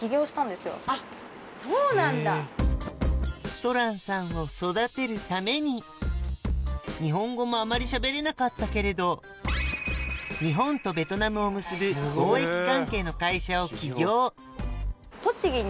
とらんさんを育てるために日本語もあまりしゃべれなかったけれど日本とベトナムを結ぶえっそうなんだ。